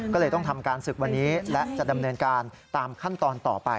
ก็เลยต้องทำการศึกวันนี้และจะดำเนินการตามขั้นตอนต่อไป